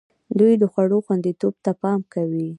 دوی د خوړو خوندیتوب ته پام کوي.